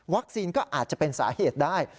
วัคซีนก็อาจจะเป็นสาเหตุได้